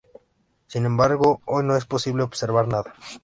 Sin embargo, hoy no es posible observar nada.